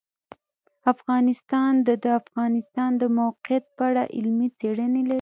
افغانستان د د افغانستان د موقعیت په اړه علمي څېړنې لري.